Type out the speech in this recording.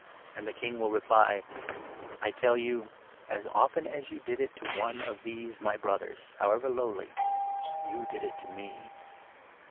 ' And the King will reply ' I tell you, as often as you did it 40 to one of these my Brothers, however lowly, you did it to me.'